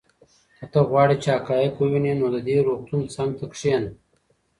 که ته غواړې چې حقایق ووینې نو د دې روغتون څنګ ته کښېنه.